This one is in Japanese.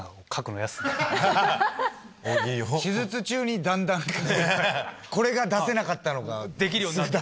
手術中にだんだんこれが出せなかったのがすぐ出せるようになれば。